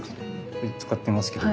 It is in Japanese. これ使ってますけど。